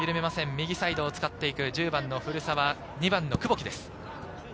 右サイドを使っていく１０番・古澤、２番・久保木です。